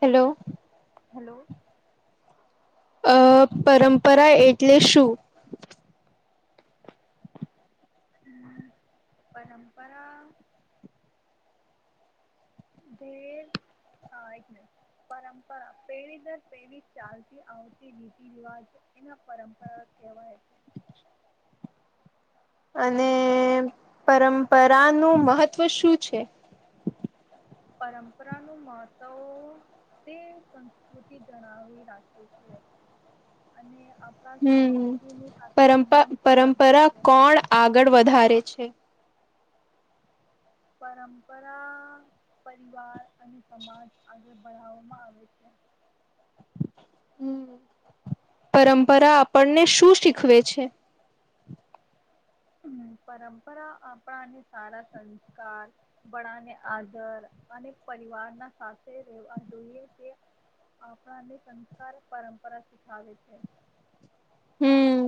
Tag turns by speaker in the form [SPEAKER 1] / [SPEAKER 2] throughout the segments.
[SPEAKER 1] Hello
[SPEAKER 2] hello
[SPEAKER 1] અ, પરંપરા એટલે શું?
[SPEAKER 2] હં, પરંપરા ધે, હા એક મિનિટ. પરંપરા, પેઢી દર પેઢી ચાલતી આવતી રીતિ રિવાજ એના પરંપરા કેહવાય છે.
[SPEAKER 1] અને પરંપરાનું મહત્ત્વ શું છે?
[SPEAKER 2] પરંપરાનું મહત્વ તે સંસ્કૃતિ જણાવી રાખે છે, અને આપણા
[SPEAKER 1] હમ,
[SPEAKER 2] સંસ્કૃતિની સાથે
[SPEAKER 1] પરંપ
[SPEAKER 2] સંબંધ પણ રાખે
[SPEAKER 1] પરંપરા
[SPEAKER 2] છે
[SPEAKER 1] કોણ આગળ વધારે છે?
[SPEAKER 2] પરંપરા, પરિવાર અને સમાજ આગળ બઠાવવામાં આવે છે.
[SPEAKER 1] હં, પરંપરા આપણને શું શીખવે છે?
[SPEAKER 2] પરંપરા આપણાને સારા સંસ્કાર, બળાને આદર અને પરિવારના સાથે રહેેવા જોઈએ, તે આપણાને સંસ્કાર પરંપરા શીખાવે છે.
[SPEAKER 1] હં,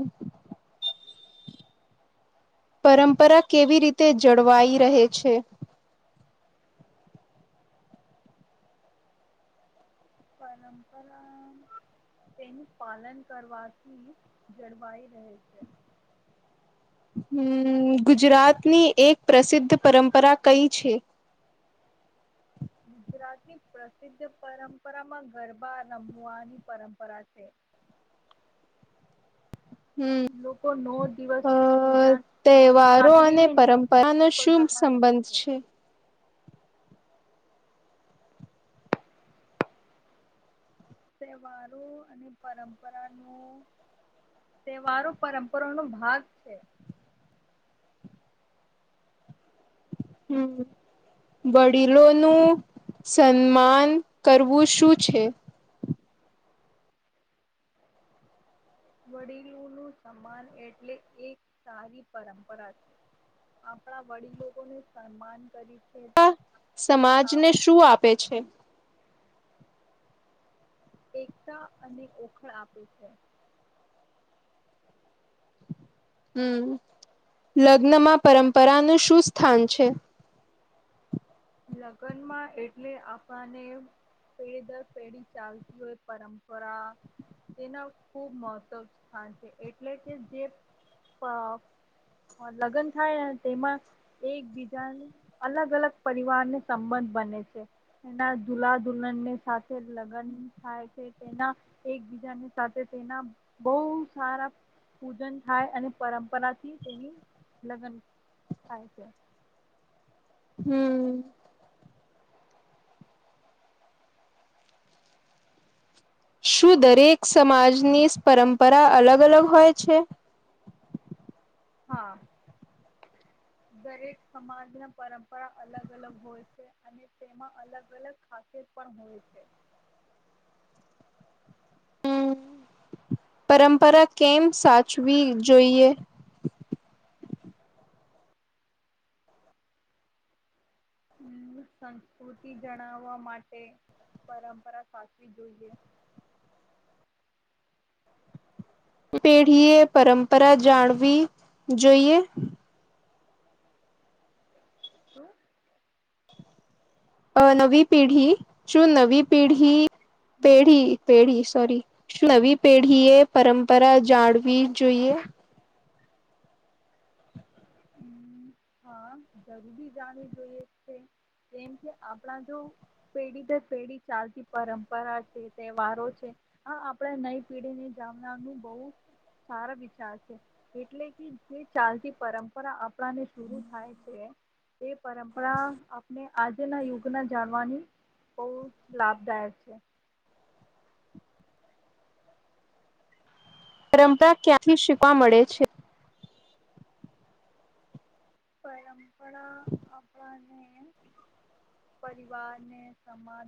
[SPEAKER 1] પરંપરા કેવી રીતે જળવાઈ રહે છે?
[SPEAKER 2] પરંપરા તેનું પાલન કરવાથી જળવાઈ રહે છે.
[SPEAKER 1] હં, ગુજરાતની એક પ્રસિદ્ધ પરંપરા કઈ છે?
[SPEAKER 2] ગુજરાતની પ્રસિદ્ધ પરંપરામાં ગરબા રમવાની પરંપરા છે.
[SPEAKER 1] હમ
[SPEAKER 2] લોકો નૌ દિવસ
[SPEAKER 1] અ
[SPEAKER 2] પૂજા નો
[SPEAKER 1] તહેવારો અને
[SPEAKER 2] નવરાત્રીને
[SPEAKER 1] પરંપરાનો શું
[SPEAKER 2] ગરબા રમે
[SPEAKER 1] સંબંધ
[SPEAKER 2] છે. તહેવારો અને પરંપરા ન તહેવારો પરંપરા ન ભાગ છે.
[SPEAKER 1] હમ વડીલોનું સન્માન કરવું શું છે?
[SPEAKER 2] વડીલો નું સન્માન એટલે એક સારી પરંપરા છે, આપણા વડીલો ન સન્માન કરી. છે. અને
[SPEAKER 1] સમાજને
[SPEAKER 2] આપ
[SPEAKER 1] શું આપે છે?
[SPEAKER 2] એકતા અને ઓખળ આપે છે.
[SPEAKER 1] હમ લગ્નમાં પરંપરાનું શું સ્થાન છે?
[SPEAKER 2] લગ્નમાં એટલે આપણને પેઢી દર પેઢી ચાલતી હોય પરંપરા, તેના ખુબ મહત્વ સ્થાન છે એટલે કે જે લગ્ન થાય ને તેમાં, એકબીજા અલગ અલગ પરિવારને સંબંધ બને છે, એના દુલ્લા દુલ્હનને સાથે લગ્ન થાય છે તેના, એકબીજાને સાથે તેના બહ સારા પૂજન થાય અને પરંપરાથી તેની લગ્ન થાય છે.
[SPEAKER 1] હમ. શું દરેક સમાજની પરંપરા અલગ અલગ હોય છે?
[SPEAKER 2] હા, દરેક સમાજના પરંપરા અલગ અલગ હોય છે અને તેમાં અલગ અલગ ખાાસિત પણ હોય છે.
[SPEAKER 1] પરંપરા કેમ સાચવી જોઈએ?
[SPEAKER 2] હમ સંસ્કૃતિ જણાવવા માટે પરંપરા સાચવી જોઈએ.
[SPEAKER 1] પેઢીએ પરંપરા જાણવી જોઈએ?
[SPEAKER 2] હમ.
[SPEAKER 1] અ નવી પીઢી શું નવી પેઢી પેઢી પેઢી. સોરી શું નવી પેઢી એ પરંપરા જાળવી જોઈએ.
[SPEAKER 2] હ હા જરૂરી જાણવી જોઈએ છે કેમ કે આપણા જો પેઢી દર પેઢી ચાલતી પરંપરા છે તહેવારો છે આ આપણા નઈ પેઢી ને જાણનારનું બહુ સારા વિચાર છે એટલે કે જે ચાલતી પરંપ પરા આપ ને શર થાય છે એ પરંપરા આપણે આજના યુગ ના જાણવાની બહુ લાભદાયક છે.
[SPEAKER 1] પરંપરા ક્યાંથી શીખવા મળે છે.
[SPEAKER 2] પરંપરા.
[SPEAKER 1] હમ.
[SPEAKER 2] પરિવારને સમાજ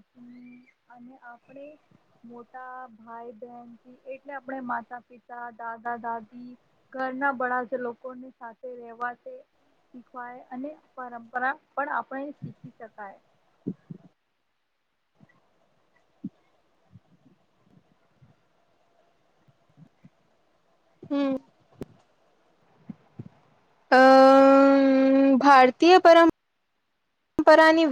[SPEAKER 2] અને આપણે મોટા ભાઈ બહેનથી એટલે આપણે માતા પિતા દાદા-દાદી ઘરના બળા જ લોકોની સાથે રહેેવા. શીખવાય અને પરંપરા. પણ આપણે શીખી શકાય.
[SPEAKER 1] હમ. અમ્ ભારતીય પરં પરંપરાની.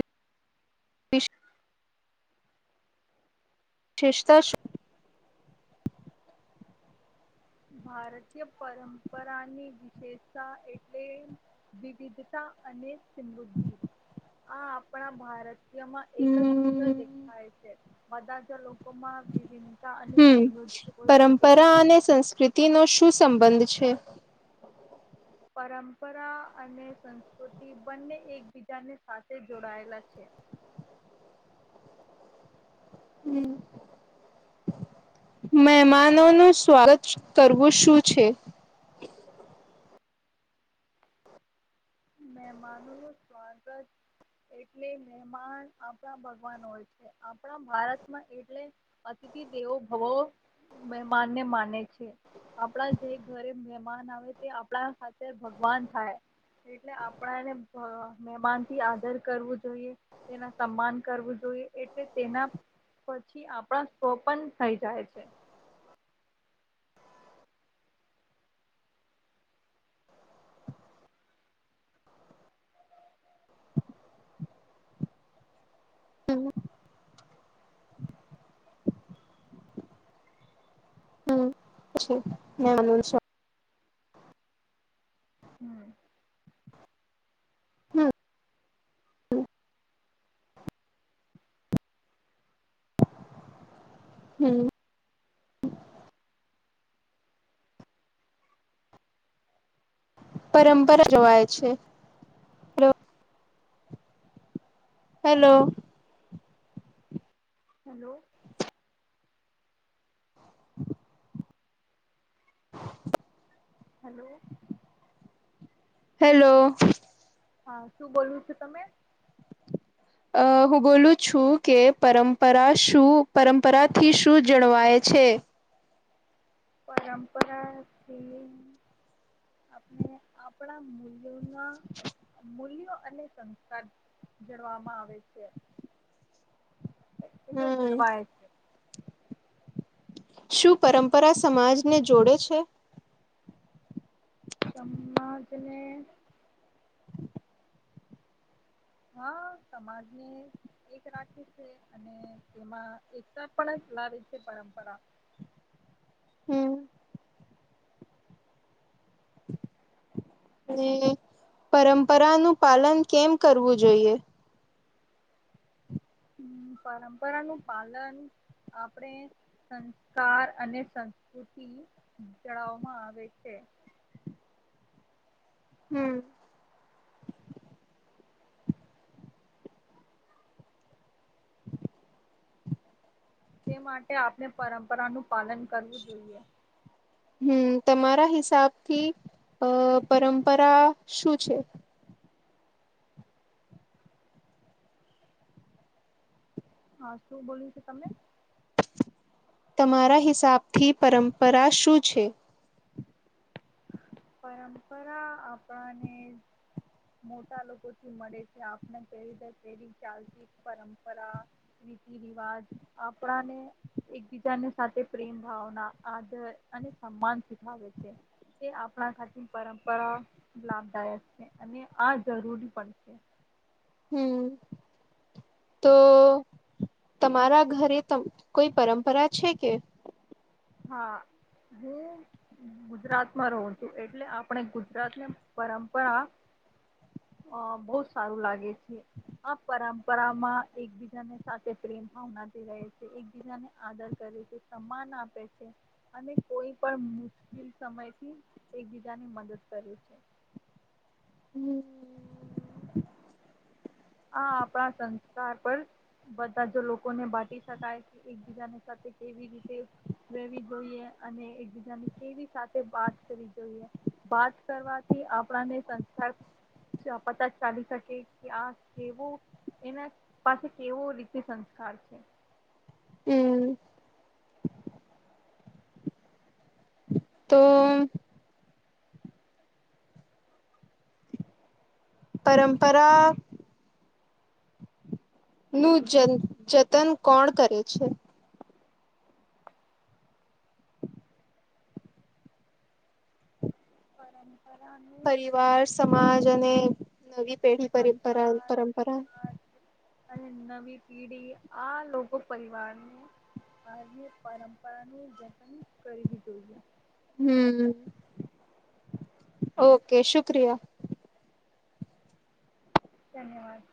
[SPEAKER 1] શેષ ત
[SPEAKER 2] ભારતીય પરંપરાની વિશેષતા એટલે વિવિધતા અને. સિલુગજી. આ આપણા ભારત. માં એક જ [inaudible] જી
[SPEAKER 1] હમ
[SPEAKER 2] દેખાય છે. બધા ચલો. લોકોમાં વિભિનતા અને
[SPEAKER 1] હમ
[SPEAKER 2] સમૃ હોય છે એકના.
[SPEAKER 1] તિનો શું સંબંધ છે.
[SPEAKER 2] પરંપરા અને સંસ્કૃતિ બંને એકબીજાની સાથે જોડાયેલા છે.
[SPEAKER 1] મહેમાનોનું સ્વાગત કરવું શું છે.
[SPEAKER 2] મહમાનો નું સ્વાગત એટલે મહેમાન આપણા ભગવાન હોય છે આપણા ભારતમાં એટલે અતિથિ દેવો ભવો મહેમાનને માને છે આપણા જે ઘરે મહેમાન આવે તે આપણા સાથે ભગવાન થાય. એટલે આપણા એને મહેમાન થી આદર કરવું જોઈએ તેના સન્માન કરવું જોઈએ એટલે તેના પછી આપણા સ્વપન થઈ જાય છે.
[SPEAKER 1] હમ્. પછી નાનું સા
[SPEAKER 2] હમ.
[SPEAKER 1] હમ. પરંપરા જવાય છે. હેલો.
[SPEAKER 2] હેલો.
[SPEAKER 1] હ [unintelligible] [inaudible]
[SPEAKER 2] હેલો.
[SPEAKER 1] હેલો.
[SPEAKER 2] હા શું બોલવું છું તમે.
[SPEAKER 1] અ હું બોલું છું કે પરંપરા શું પરંપરાથી શું જળવાય છે.
[SPEAKER 2] પરંપરા થી આપણે આપણા મૂલ જેના મૂલ્ય. અને સંસ્કાર જડવામાં આવે છે. એલે
[SPEAKER 1] હમ
[SPEAKER 2] જળવાય છે.
[SPEAKER 1] શું પરંપરા સમાજને જોડે છે?
[SPEAKER 2] સમાજને. હા સમાજને એક રાખે છે અને તેમાં એકતા પણ જ લાવે છે પરંપરા.
[SPEAKER 1] હમ. અને પરંપરા નું પાલન કેમ કરવું જોઈએ?
[SPEAKER 2] હમ પરંપરાનું પાલન આપણેે સંસ્કાર અને સંસ્કૃતિ ચડાવવામાં આવે છે.
[SPEAKER 1] હમ.
[SPEAKER 2] તે માટે આપણે પરંપરાનું પાલન કરવું જોઈએ.
[SPEAKER 1] હમ્મ. તમારા હિસાબથી અહ પરંપરા શું છે?
[SPEAKER 2] હા. શું બોલ્યું તું તમે?
[SPEAKER 1] તમારા હિસાબથી પરંપરા શું છે?
[SPEAKER 2] પરંપરા આપણાને મોટા લોકોથી મળે છે. આપને [unintelligible] ચાલતી પરંપરા, રીતી રિવાજ આપણાને એકબીજાને સાથે પ્રેમ ભાવના, આદર, અને સન્માન શીખાવે છે. તે આપ પણા સાથે પરંપરા લાભદાયક છે, અને આ જરૂરી પણ છે.
[SPEAKER 1] હમ્મ. તો તમારા ઘરે ત કોઈ પરંપરા છે કે?
[SPEAKER 2] હા. હું ગુજરાતમાં રહું છું, એટલે આપણે ગુજરાતને પરંપરા બહું સારું લાગે છે. આ પરંપરામાં એકબીજાને સાથે પ્રેમ ભાવનાથી રહે છે, એકબીજાને આદર કરે છે, સન્માન આપે છ છે, અને કોઈ પણ મુશ્કિલ સમયથી એકબીજાની મદદ કરે છે.
[SPEAKER 1] હમ્મ.
[SPEAKER 2] આ આપણા સંસ્કાર પર બધા જ લોકોને બાટી શકાય કે એકબીજાની સાથે કેવી રીતે રહેેવી જોઈએ, અને એકબીજાની કેવી સાથે વાત કરવી જોઈએ, વાત કરવાથી આપણાને સંસ્કાર પતા ચાલી શકે કે આ એવું એના પાસે કેવો રીતે સંસ્કાર છે.
[SPEAKER 1] હમ્મ. તો પરંપરા નું જન જતન કોણ કરે છે?
[SPEAKER 2] [unintelligible]
[SPEAKER 1] પરિવાર સ માજ અને નવી પેઢી પરિપરા
[SPEAKER 2] પરિવાર
[SPEAKER 1] પરંપરા
[SPEAKER 2] સમાજ અને નવી પીઢી આ લોકો પરિવારને [unintelligible] પરંપરાનું જતન કરવી જોઈએ.
[SPEAKER 1] હમ્મ. ઓકે, શુક્રિયા.
[SPEAKER 2] ધન્યવાદ.